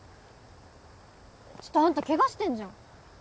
ちょっとアンタケガしてんじゃん。